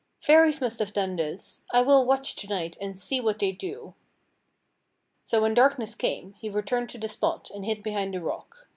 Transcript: "Fairies must have done this! I will watch to night and see what they do." So when darkness came, he returned to the spot, and hid behind a rock.